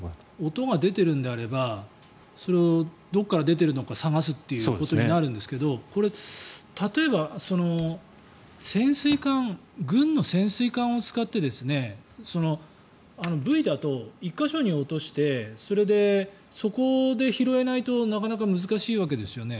音が出ているのであればそれがどこから出ているのか探すということになるんですけどこれ、例えば軍の潜水艦を使ってブイだと１か所に落としてそれで、そこで拾えないとなかなか難しいわけですよね。